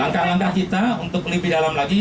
langkah langkah kita untuk lebih dalam lagi